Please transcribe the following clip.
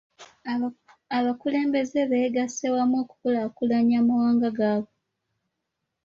Abakulembeze beegasse wamu okukulaakulanya amawanga gaabwe.